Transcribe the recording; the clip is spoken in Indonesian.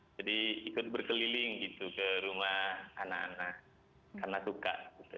jadi ikut berkeliling gitu ke rumah anak anak karena suka